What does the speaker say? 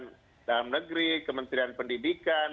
kementerian dalam negeri kementerian pendidikan